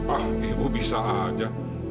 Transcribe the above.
ah ibu bisa aja